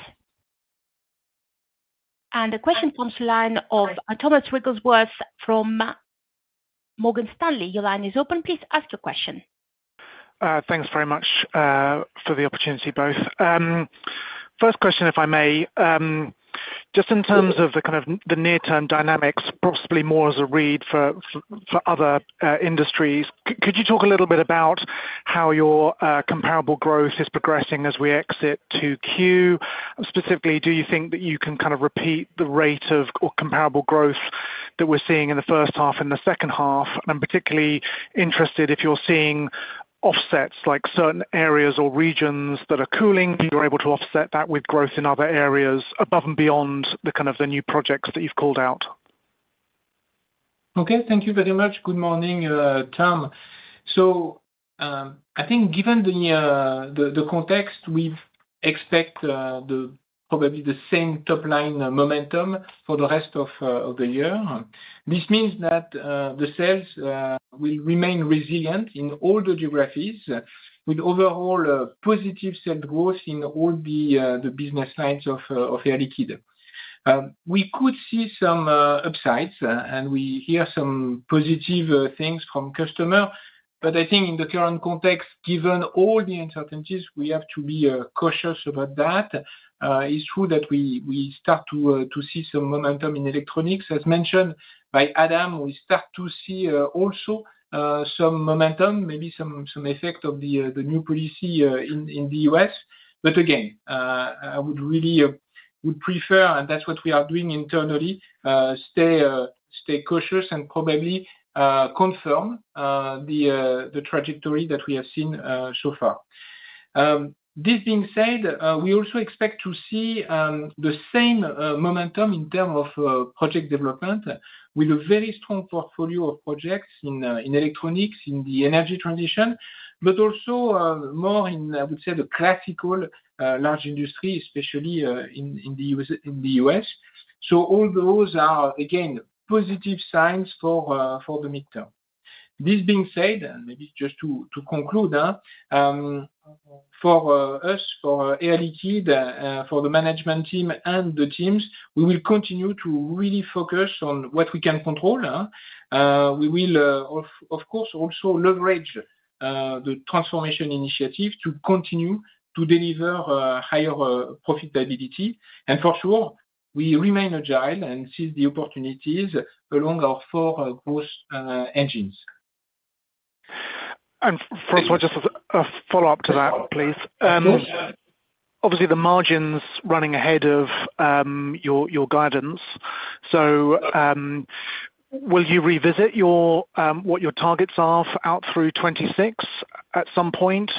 The question comes live of Thomas Riggersworth from Morgan Stanley. Your line is open. Please ask your questi Thanks very much for the opportunity, both. First question, if I may. Just in terms of the kind of near-term dynamics, possibly more as a read for other industries, could you talk a little bit about how your comparable growth is progressing as we exit Q2? Specifically, do you think that you can kind of repeat the rate of comparable growth that we're seeing in the first half and the second half? I'm particularly interested if you're seeing offsets like certain areas or regions that are cooling, you're able to offset that with growth in other areas above and beyond the kind of new projects that you've called out. Okay. Thank you very much. Good morning, Tom. I think given the context, we expect probably the same top-line momentum for the rest of the year. This means that the sales will remain resilient in all the geographies with overall positive sales growth in all the business lines of Air Liquide. We could see some upsides, and we hear some positive things from customers. I think in the current context, given all the uncertainties, we have to be cautious about that. It's true that we start to see some momentum in electronics. As mentioned by Adam, we start to see also some momentum, maybe some effect of the new policy in the U.S. Again, I would really prefer, and that's what we are doing internally, stay cautious and probably confirm the trajectory that we have seen so far. This being said, we also expect to see the same momentum in terms of project development with a very strong portfolio of projects in Electronics, in the Energy Transition, but also more in, I would say, the classical large industry, especially in the U.S. All those are, again, positive signs for the mid-term. This being said, and maybe just to conclude. For us, for Air Liquide, for the management team and the teams, we will continue to really focus on what we can control. We will, of course, also leverage the transformation initiative to continue to deliver higher profitability. For sure, we remain agile and seize the opportunities along our four growth engines. François, just a follow-up to that, please. Of course. Obviously, the margins running ahead of your guidance. Will you revisit what your targets are out through 2026 at some point?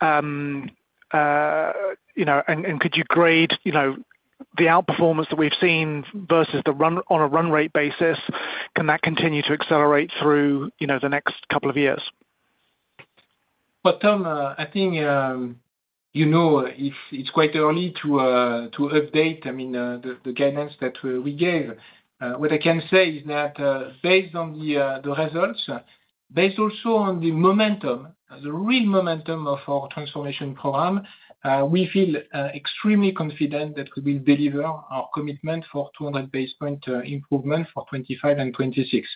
And could you grade the outperformance that we've seen versus the run on a run-rate basis? Can that continue to accelerate through the next couple of years? Tom, I think you know it's quite early to update, I mean, the guidance that we gave. What I can say is that based on the results, based also on the momentum, the real momentum of our transformation program, we feel extremely confident that we will deliver our commitment for 200-basis-point improvement for 2025 and 2026.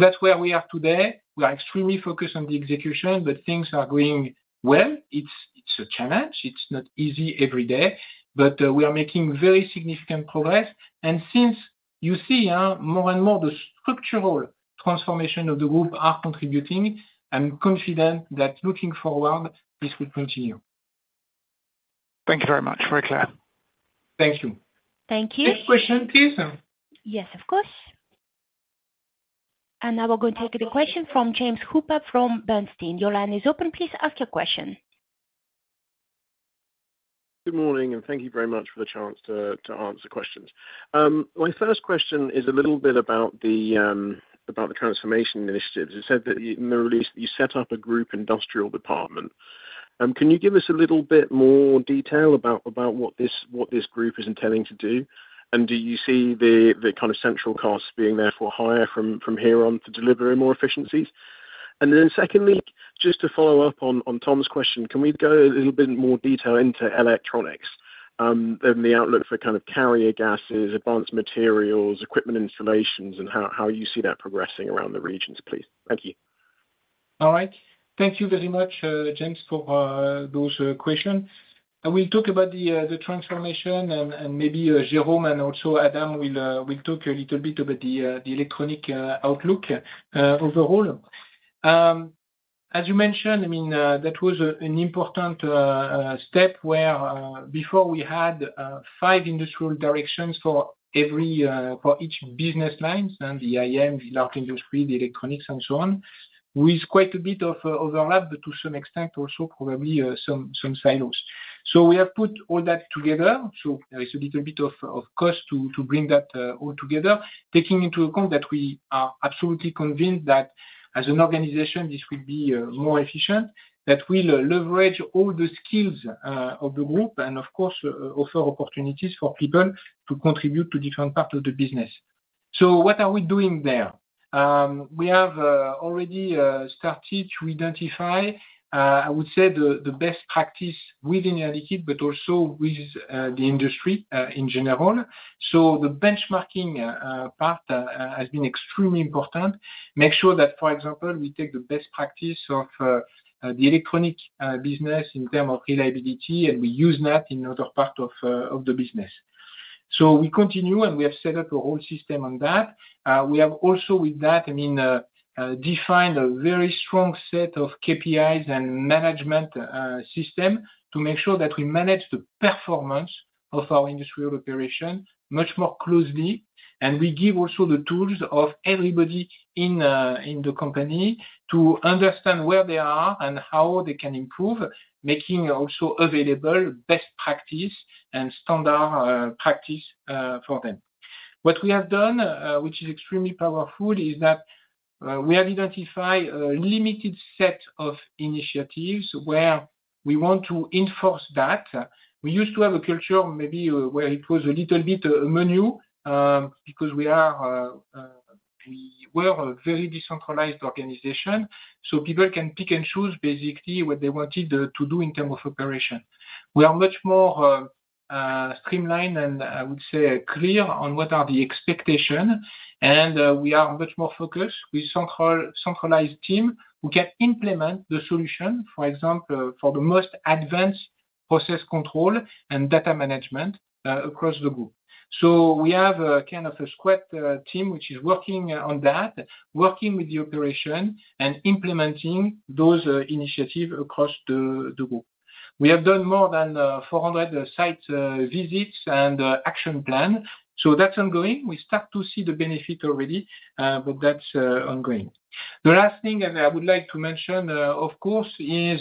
That's where we are today. We are extremely focused on the execution, but things are going well. It's a challenge. It's not easy every day, but we are making very significant progress. Since you see more and more the structural transformation of the Group are contributing, I'm confident that looking forward, this will continue. Thank you very much for your time. Thank you. Thank you. Next question, please. Yes, of course. Now we're going to take the question from James Hooper from Bernstein. Your line is open. Please ask your question. Good morning, and thank you very much for the chance to answer questions. My first question is a little bit about the transformation initiatives. You said that in the release that you set up a Group Industrial Department. Can you give us a little bit more detail about what this Group is intending to do? Do you see the kind of central costs being there for hire from here on to deliver more efficiencies? Secondly, just to follow up on Tom's question, can we go a little bit more detail into Electronics and the outlook for kind of carrier gases, advanced materials, equipment installations, and how you see that progressing around the regions, please? Thank you. All right. Thank you very much, James, for those questions. We'll talk about the transformation, and maybe Jérôme and also Adam will talk a little bit about the Electronic outlook overall. As you mentioned, I mean, that was an important step where before we had five industrial directions for each business line: the IM, the Large Industry, the Electronics, and so on, with quite a bit of overlap, but to some extent also probably some silos. We have put all that together. There is a little bit of cost to bring that all together, taking into account that we are absolutely convinced that as an organization, this will be more efficient, that we'll leverage all the skills of the group, and of course, offer opportunities for people to contribute to different parts of the business. What are we doing there? We have already started to identify, I would say, the best practice within Air Liquide, but also with the industry in general. The benchmarking part has been extremely important. Make sure that, for example, we take the best practice of the electronic business in terms of reliability, and we use that in other parts of the business. We continue, and we have set up a whole system on that. We have also, with that, defined a very strong set of KPIs and management system to make sure that we manage the performance of our industrial operation much more closely. We give also the tools to everybody in the company to understand where they are and how they can improve, making also available best practice and standard practice for them. What we have done, which is extremely powerful, is that we have identified a limited set of initiatives where we want to enforce that. We used to have a culture maybe where it was a little bit menu because we were a very decentralized organization. People can pick and choose basically what they wanted to do in terms of operation. We are much more streamlined and, I would say, clear on what are the expectations. We are much more focused with a centralized team who can implement the solution, for example, for the most advanced process control and data management across the Group. We have kind of a squad team which is working on that, working with the operation and implementing those initiatives across the Group. We have done more than 400 site visits and action plans. That is ongoing. We start to see the benefit already, but that is ongoing. The last thing I would like to mention, of course, is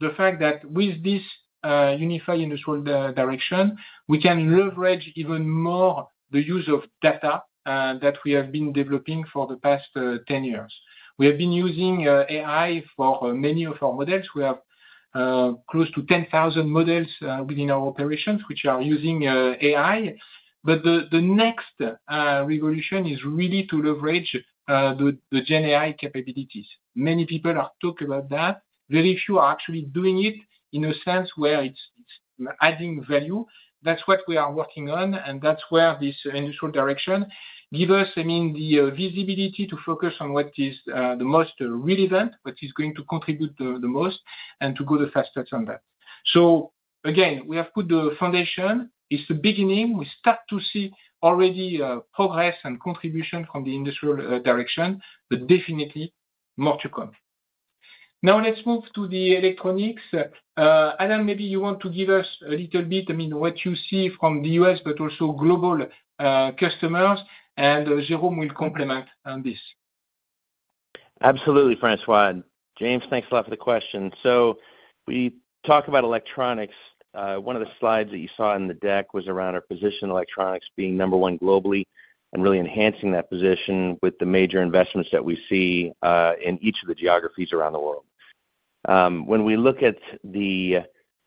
the fact that with this unified industrial direction, we can leverage even more the use of data that we have been developing for the past 10 years. We have been using AI for many of our models. We have close to 10,000 models within our operations which are using AI. The next revolution is really to leverage the GenAI capabilities. Many people are talking about that. Very few are actually doing it in a sense where it is adding value. That is what we are working on, and that is where this industrial direction gives us, I mean, the visibility to focus on what is the most relevant, what is going to contribute the most, and to go the fastest on that. We have put the foundation. It is the beginning. We start to see already progress and contribution from the industrial direction, but definitely more to come. Now let's move to the electronics. Adam, maybe you want to give us a little bit, I mean, what you see from the U.S., but also global customers, and Jérôme will complement this. Absolutely, François. James, thanks a lot for the question. We talk about Electronics. One of the slides that you saw in the deck was around our position in electronics being number one globally and really enhancing that position with the major investments that we see in each of the geographies around the world. When we look at the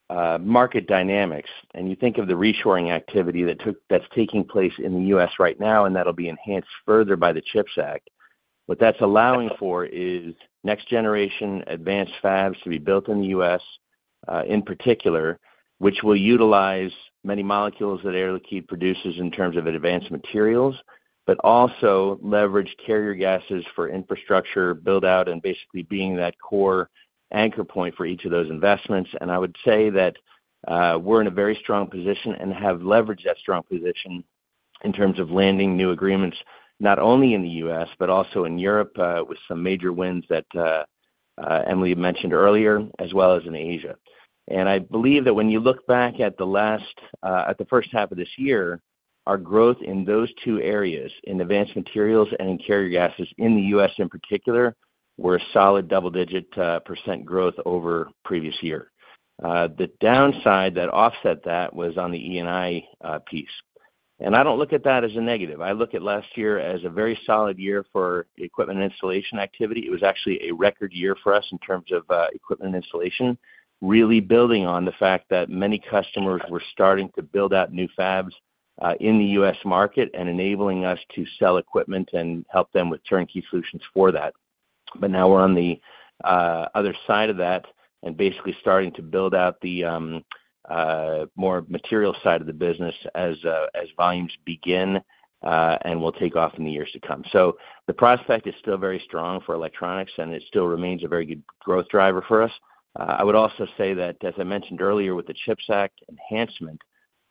market dynamics and you think of the reshoring activity that is taking place in the U.S. right now, and that will be enhanced further by the CHIPS Act, what that is allowing for is next-generation advanced fabs to be built in the U.S., in particular, which will utilize many molecules that Air Liquide produces in terms of advanced materials, but also leverage carrier gases for infrastructure build-out, and basically being that core anchor point for each of those investments. I would say that. We're in a very strong position and have leveraged that strong position in terms of landing new agreements, not only in the U.S., but also in Europe with some major wins that Émilie mentioned earlier, as well as in Asia. I believe that when you look back at the first half of this year, our growth in those two areas, in advanced materials and in carrier gases in the U.S. in particular, were a solid double-digit percent growth over the previous year. The downside that offset that was on the E&I piece. I do not look at that as a negative. I look at last year as a very solid year for equipment installation activity. It was actually a record year for us in terms of equipment installation, really building on the fact that many customers were starting to build out new fabs in the U.S. market and enabling us to sell equipment and help them with turnkey solutions for that. Now we're on the other side of that and basically starting to build out the more material side of the business as volumes begin and will take off in the years to come. The prospect is still very strong for Electronics, and it still remains a very good growth driver for us. I would also say that, as I mentioned earlier, with the CHIPS Act enhancement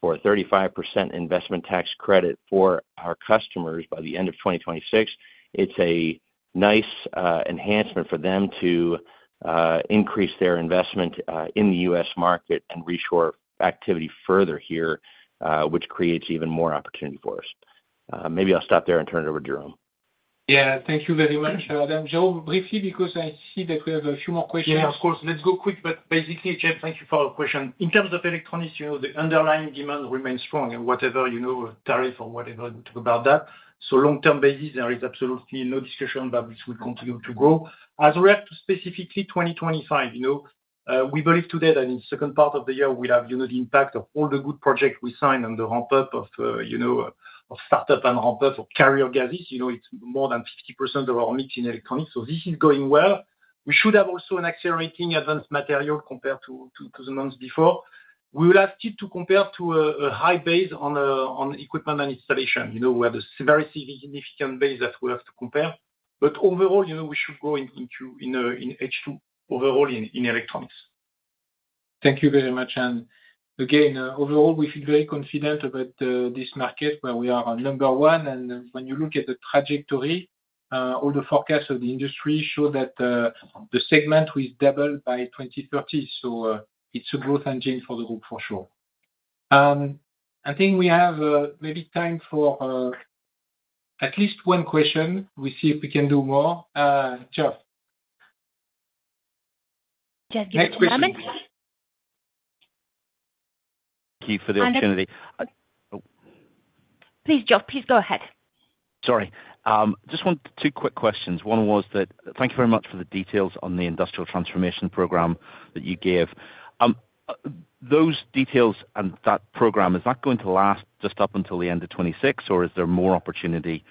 for a 35% Investment Tax Credit for our customers by the end of 2026, it's a nice enhancement for them to increase their investment in the U.S. market and reshore activity further here, which creates even more opportunity for us. Maybe I'll stop there and turn it over to Jérôme. Yeah, thank you very much, Adam. Jérôme, briefly, because I see that we have a few more questions. Yeah, of course. Let's go quick, but basically, James, thank you for the question. In terms of Electronics, the underlying demand remains strong in whatever tariff or whatever we talk about that. On a long-term basis, there is absolutely no discussion that this will continue to grow. As we're up to specifically 2025, we believe today that in the second part of the year, we'll have the impact of all the good projects we signed and the ramp-up of startup and ramp-up of carrier gases. It's more than 50% of our mix in Electronics. This is going well. We should have also an accelerating advanced material compared to the months before. We will have to compare to a high base on equipment and installation, where there's a very significant base that we have to compare. Overall, we should go into H2 overall in Electronics. Thank you very much. Again, overall, we feel very confident about this market where we are number one. When you look at the trajectory, all the forecasts of the industry show that the segment will double by 2030. It is a growth engine for the group, for sure. I think we have maybe time for at least one question. We see if we can do more. Geoff, Next question. Thank you for the opportunity. Please, Geoff, please go ahead. Sorry. Just two quick questions. One was that thank you very much for the details on the industrial transformation program that you gave. Those details and that program, is that going to last just up until the end of 2026, or is there more opportunity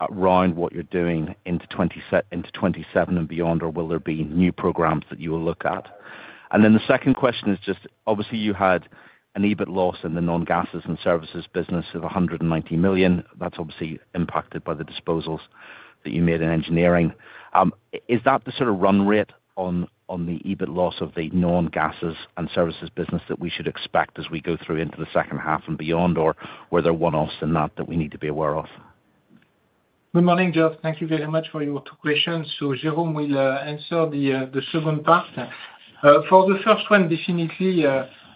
around what you are doing into 2027 and beyond, or will there be new programs that you will look at? The second question is just, obviously, you had an EBIT loss in the Non-Gases and services business of $190 million. That is obviously impacted by the disposals that you made in engineering. Is that the sort of run rate on the EBIT loss of the Non-Gases and Services business that we should expect as we go through into the second half and beyond, or were there one-offs in that that we need to be aware of? Good morning, Geoff. Thank you very much for your two questions. Jérôme will answer the second part. For the first one, definitely,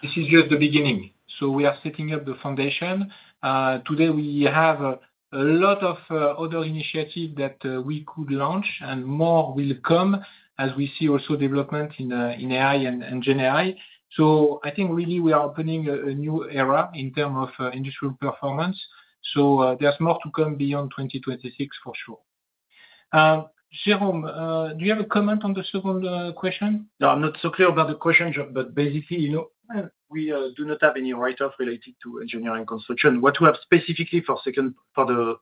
this is just the beginning. We are setting up the foundation. Today, we have a lot of other initiatives that we could launch, and more will come as we see also development in AI and GenAI. I think really we are opening a new era in terms of industrial performance. There is more to come beyond 2026, for sure. Jérôme, do you have a comment on the second question? No, I am not so clear about the question, Jérôme, but basically, we do not have any write-off related to Engineering construction. What we have specifically for the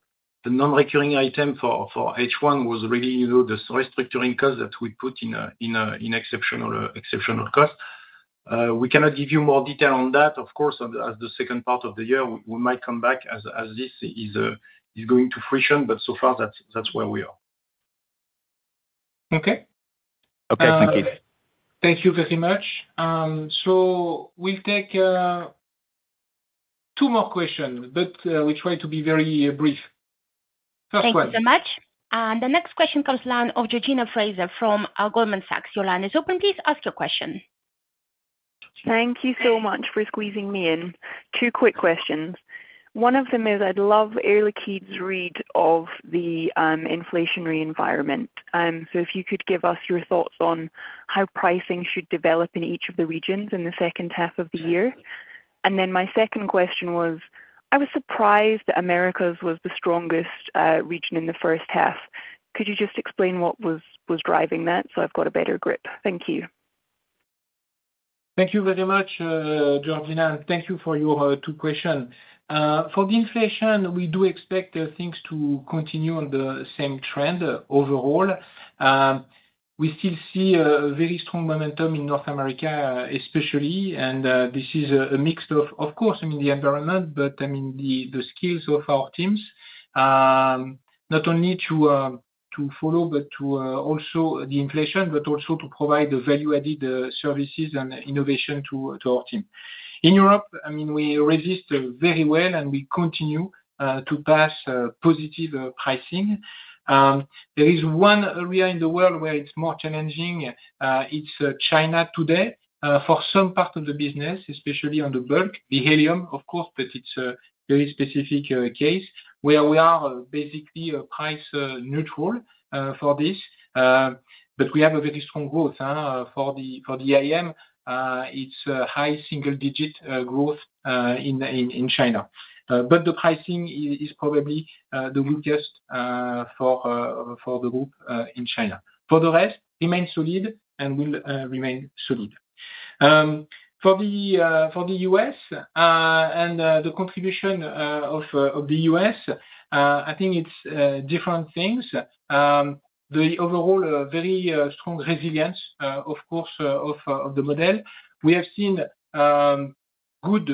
non-recurring item for H1 was really the restructuring cost that we put in. Exceptional cost. We cannot give you more detail on that, of course, as the second part of the year. We might come back as this is going to friction, but so far, that is where we are. Okay. Thank you. Thank you very much. We will take two more questions, but we try to be very brief. First one. Thank you so much. The next question comes from Georgina Fraser from Goldman Sachs. Your line is open. Please ask your question. Thank you so much for squeezing me in. Two quick questions. One of them is I'd love Air Liquide's read of the inflationary environment. If you could give us your thoughts on how pricing should develop in each of the regions in the second half of the year. My second question was, I was surprised that Americas was the strongest region in the first half. Could you just explain what was driving that so I've got a better grip? Thank you. Thank you very much, Georgina. Thank you for your two questions. For the inflation, we do expect things to continue on the same trend overall. We still see a very strong momentum in North America, especially. This is a mix of, of course, I mean, the environment, but I mean, the skills of our teams. Not only to follow, but also the inflation, but also to provide the value-added services and innovation to our team. In Europe, I mean, we resist very well, and we continue to pass positive pricing. There is one area in the world where it's more challenging. It's China today for some part of the business, especially on the bulk, the helium, of course, but it's a very specific case where we are basically price-neutral for this. We have a very strong growth. For the AIM, it's a high single-digit growth in China. The pricing is probably the weakest for the Group in China. For the rest, remain solid and will remain solid. For the U.S. And the contribution of the U.S., I think it's different things. The overall very strong resilience, of course, of the model. We have seen good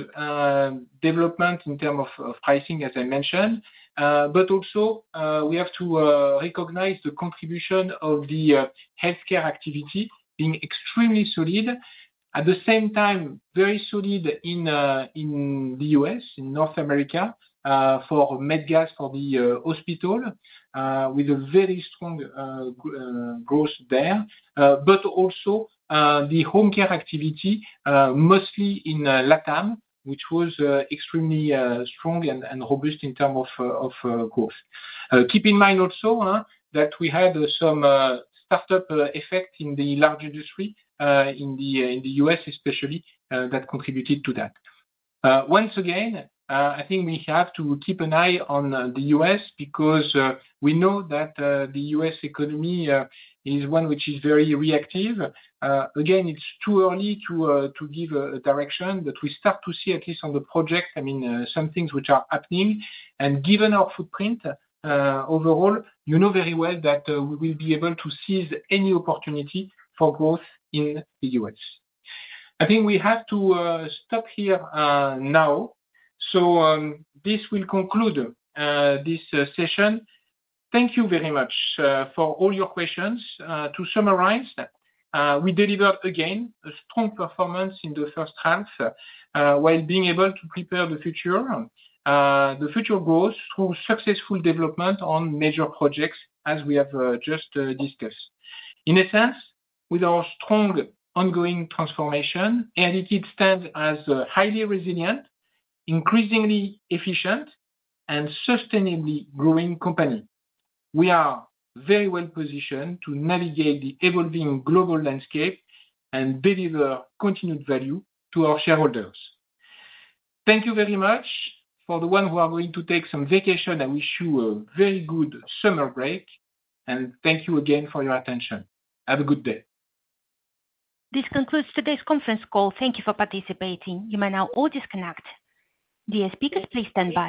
development in terms of pricing, as I mentioned. We have to recognize the contribution of the Healthcare activity being extremely solid. At the same time, very solid in the U.S., in North America, for med gas for the hospital, with a very strong growth there. Also, the home care activity, mostly in LATAM, which was extremely strong and robust in terms of growth. Keep in mind also that we had some start-up effect in the large industry in the U.S., especially, that contributed to that. Once again, I think we have to keep an eye on the U.S. because we know that the U.S. economy is one which is very reactive. Again, it's too early to give a direction, but we start to see, at least on the project, I mean, some things which are happening. Given our footprint overall, you know very well that we will be able to seize any opportunity for growth in the U.S. I think we have to stop here now. This will conclude this session. Thank you very much for all your questions. To summarize, we delivered, again, a strong performance in the first half while being able to prepare the future. The future grows through successful development on major projects, as we have just discussed. In a sense, with our strong ongoing transformation, Air Liquide stands as a highly resilient, increasingly efficient, and sustainably growing company. We are very well positioned to navigate the evolving global landscape and deliver continued value to our shareholders. Thank you very much for the ones who are going to take some vacation. I wish you a very good summer break. Thank you again for your attention. Have a good day. This concludes today's conference call. Thank you for participating. You may now all disconnect. Dear speakers, please stand up.